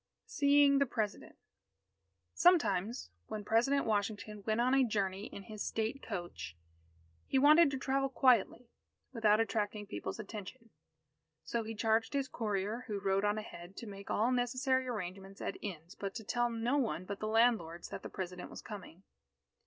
_ SEEING THE PRESIDENT Sometimes, when President Washington went on a journey in his state coach, he wanted to travel quietly, without attracting people's attention. So he charged his courier, who rode on ahead, to make all necessary arrangements at inns, but to tell no one but the landlords, that the President was coming.